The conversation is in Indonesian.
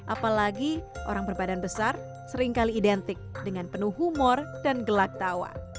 apalagi orang berbadan besar seringkali identik dengan penuh humor dan gelak tawa